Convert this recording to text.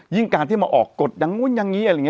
ยิ่งกันที่มาออกกฎยังงานี่ยังนี่อีก